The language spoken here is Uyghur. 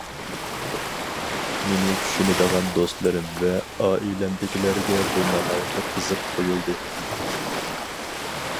مېنى چۈشىنىدىغان دوستلىرىم ۋە ئائىلەمدىكىلەرگە بۇ ناھايىتى قىزىق تۇيۇلدى.